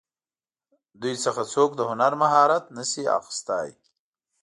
دوی څخه څوک د هنر مهارت نشي اخیستلی.